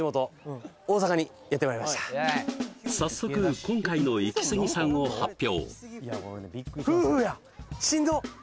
早速今回のイキスギさんを発表